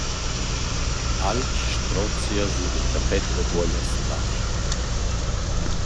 Alch struozcha sur il tapet d'aguoglias d'larsch.